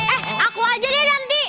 eh aku aja deh nanti